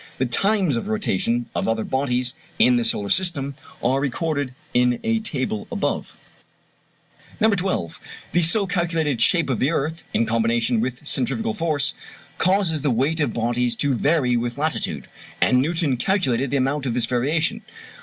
The times of rotation of other bodies in the solar system are recorded in a table above. No. 12. The so calculated shape of the earth, in combination with centrifugal force, causes the weight of bodies to vary with latitude; and Newton calculated the amount of this variation.